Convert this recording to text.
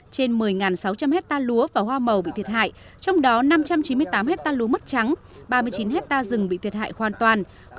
trên một mươi sáu trăm linh hectare lúa và hoa màu bị thiệt hại trong đó năm trăm chín mươi tám hectare lúa mất trắng ba mươi chín hectare rừng bị thiệt hại hoàn toàn